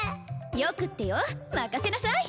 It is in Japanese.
よくってよ任せなさい！